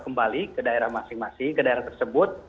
kembali ke daerah masing masing ke daerah tersebut